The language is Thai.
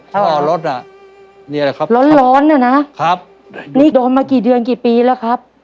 ถ้าเอารถอ่ะนี่แหละครับร้อนร้อนน่ะนะครับนี่โดนมากี่เดือนกี่ปีแล้วครับ